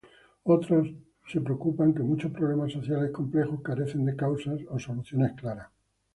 Otros se preocupan que muchos problemas sociales complejos carecen de causas o soluciones claras.